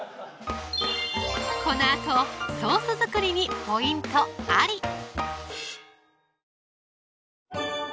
このあとソース作りにポイントあり！